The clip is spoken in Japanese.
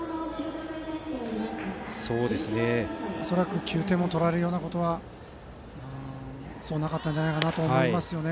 恐らく９点も取られるようなことはそう、なかったんじゃないかと思うんですよね。